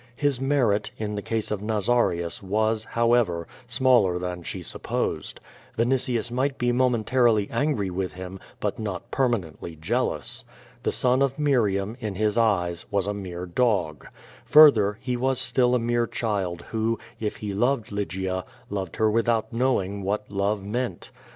His merit, in the case of Nazarius was, however, smaller than she sup])osed. Vinitius might be momentarily angry with him, but not permanently jealous. The son of Miriam, in his eyes, was a mere dog. Further, he was still a mere child who, if he loved Lygia, loved her without knowing what love meant.